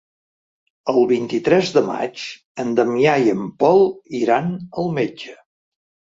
El vint-i-tres de maig en Damià i en Pol iran al metge.